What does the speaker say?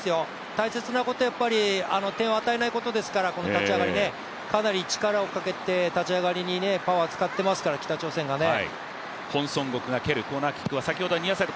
大切なことは点を与えないことですから、この立ち上がり、かなり力をかけて、立ち上がりにパワー使っていますからね、北朝鮮がね。